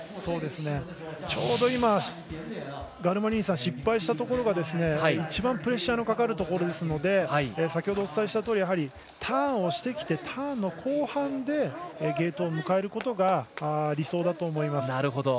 ちょうどガルマリーニが失敗したところが一番、プレッシャーのかかるところですので先ほどお伝えしたとおりターンをしてきてターンの後半でゲートを迎えることが理想だと思います。